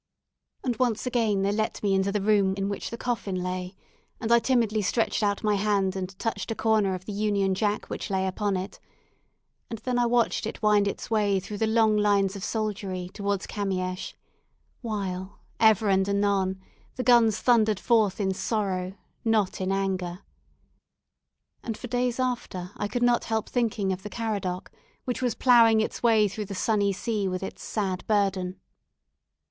And once again they let me into the room in which the coffin lay, and I timidly stretched out my hand and touched a corner of the union jack which lay upon it; and then I watched it wind its way through the long lines of soldiery towards Kamiesch, while, ever and anon, the guns thundered forth in sorrow, not in anger. And for days after I could not help thinking of the "Caradoc," which was ploughing its way through the sunny sea with its sad burden.